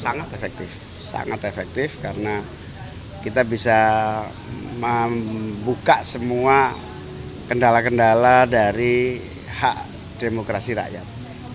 sangat efektif sangat efektif karena kita bisa membuka semua kendala kendala dari hak demokrasi rakyat